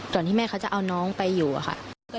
ที่แม่เขาจะเอาน้องไปอยู่อะค่ะ